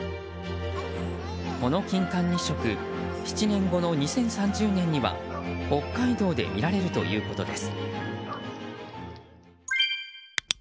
この金環日食７年後の２０３０年には北海道で見られるということです。